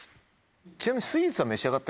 ちなみに。